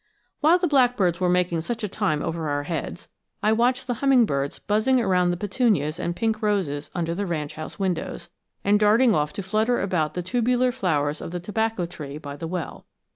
While the blackbirds were making such a time over our heads, I watched the hummingbirds buzzing around the petunias and pink roses under the ranch house windows, and darting off to flutter about the tubular flowers of the tobacco tree by the well.